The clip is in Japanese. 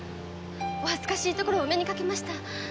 お恥ずかしいところをお目にかけました。